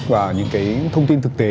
và những thông tin thực tế